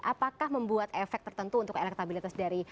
apakah membuat efek tertentu untuk elektabilitas dari